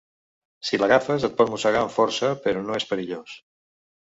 Si l'agafes et pot mossegar amb força, però no és perillós.